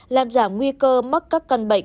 làm giảm nguy cơ mắc các căn bệnh